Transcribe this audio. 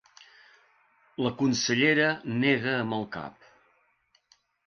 La consellera nega amb el cap.